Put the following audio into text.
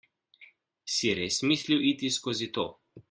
Si res mislil iti skozi to?